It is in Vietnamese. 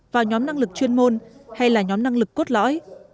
vào nhóm năng lực chuyên môn hay là nhóm năng lực cốt lõi